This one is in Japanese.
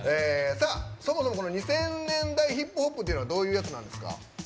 そもそも２０００年代ヒップホップっていうのはどういうやつなんですか？